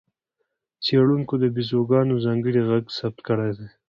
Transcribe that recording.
څېړونکو د بیزوګانو ځانګړی غږ ثبت کړی دی.